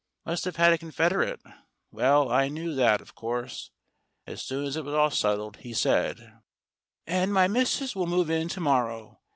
Must have had a confederate? Well, I knew that, of course. As soon as it was all settled, he said : "And my missus will move in to morrow.